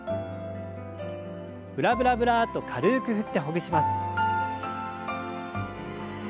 ブラブラブラッと軽く振ってほぐします。